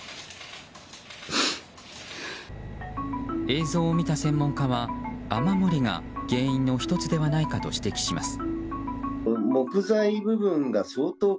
映像を見た専門家は、雨漏りが原因の１つではないかと指摘します。